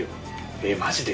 えっマジで？